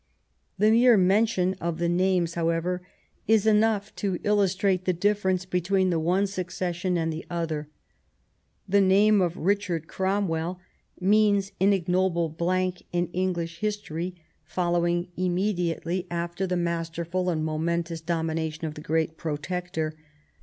The mere mention of the names, however, is enough to illustrate the difference between the one succession and the other. The name of Richard Cromwell means an ignoble blank in English history following immediately 11 thb;^reign of queen anne after the masterful and momentous domination of the great Protector.